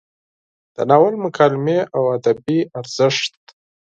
د ناول مکالمې او ادبي ارزښت: